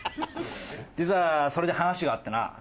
実はそれで話があってな。